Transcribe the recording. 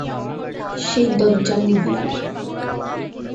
সেই দজ্জাল মহিলাটা।